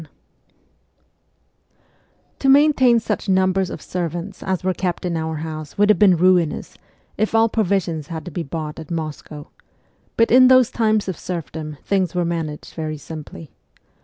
VII To maintain such numbers of servants as were kept in our house would have been ruinous if all provi sions had to be bought at Moscow ; but in those times of serfdom things were managed very simply.